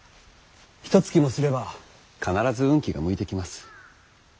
ひとつきもすれば必ず運気が向いてきます。